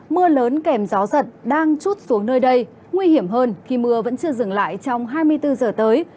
mưa lớn kèm gió giật đang chút xuống nơi đây nguy hiểm hơn khi mưa vẫn chưa dừng lại trong hai mươi bốn giờ tới